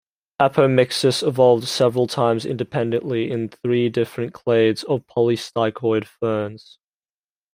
Apomixis evolved several times independently in three different clades of polystichoid ferns.